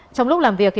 trong lúc làm việc